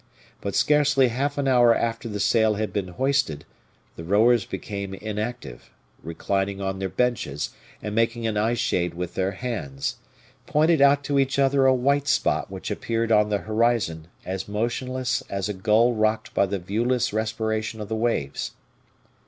But scarcely half an hour after the sail had been hoisted, the rowers became inactive, reclining on their benches, and, making an eye shade with their hands, pointed out to each other a white spot which appeared on the horizon as motionless as a gull rocked by the viewless respiration of the waves.